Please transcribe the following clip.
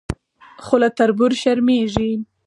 خو له تربور شرمېږي.